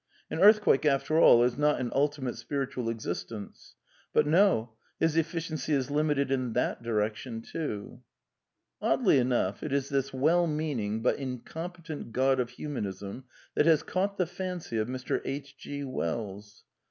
An earth quake, after all, is not an ultimate spiritual existence. But no, his eflBciency is limited in that direction, too. Oddly enough, it is this well meaning but incompetent God of Humanism that has caught the fancy of Mr. H. G. Wells. Mr.